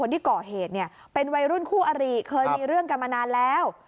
ที่ก่อเหตุเนี่ยเป็นวัยรุ่นคู่อริเคยมีเรื่องกันมานานแล้ว